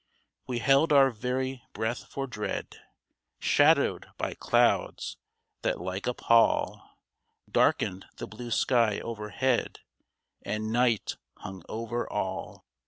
We held our very breath for dread ; Shadowed by clouds, that, like a pall, Darkened the blue sky overhead, And night hung over all.